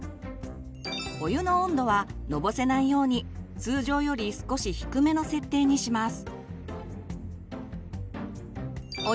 お湯の温度はのぼせないように通常より少し低めの設定にします。